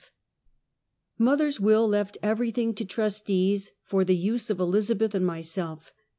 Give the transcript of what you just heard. Mother's will left everytliing to trustees, for the use of Elizabeth and m^' self.